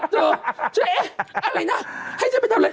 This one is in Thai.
เจ๊อะอะไรนะให้ฉันไปทำไร